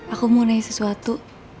aku mau nanya sesuatu